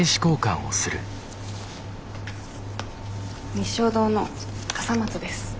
日粧堂の笠松です。